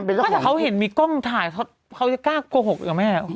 ต้องหาเพื่อนที่เขาเห็นมีกล้องถ่ายเขาจะกล้ากโกหกด้วยหรือไม่